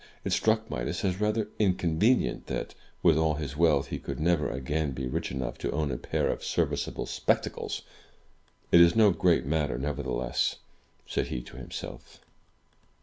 It struck Midas as rather inconvenient that, with all his wealth, he could never again be rich enough to own a pair of serviceable spectacles. "It is no great matter, nevertheless, *' said he to himself.